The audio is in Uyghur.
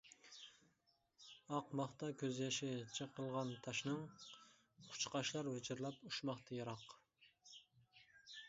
ئاقماقتا كۆز يېشى چېقىلغان تاشنىڭ، قۇشقاچلار ۋىچىرلاپ ئۇچماقتا يىراق.